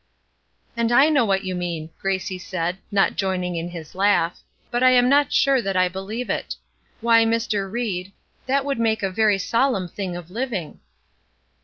"And I know what you mean," Gracie said, not joining in his laugh; "but I am not sure that I believe it. Why, Mr. Ried, that would make a very solemn thing of living."